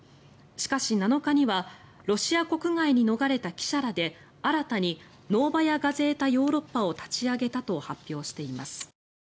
しかし、７日にはロシア国外に逃れた記者らで新たにノーバヤ・ガゼータ・ヨーロッパを立ち上げたと発表しています。